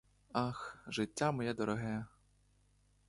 Ах, життя моє дороге.